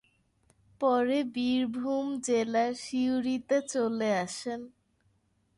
পরে বীরভূম জেলার সিউড়ি তে চলে আসেন।